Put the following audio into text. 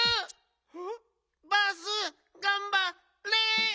バースがんばれ。